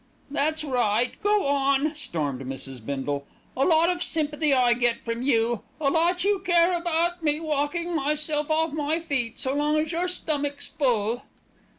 "That's right, go on!" stormed Mrs. Bindle. "A lot of sympathy I get from you, a lot you care about me walking myself off my feet, so long as your stomach's full."